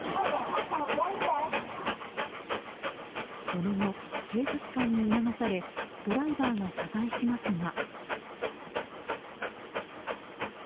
その後、警察官に促されドライバーが謝罪しますが。